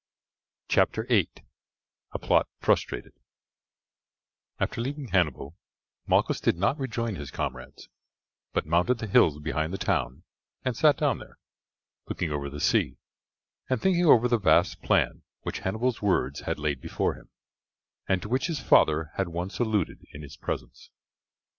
CHAPTER VIII: A PLOT FRUSTRATED After leaving Hannibal, Malchus did not rejoin his comrades, but mounted the hills behind the town and sat down there, looking over the sea, and thinking over the vast plan which Hannibal's words had laid before him, and to which his father had once alluded in his presence.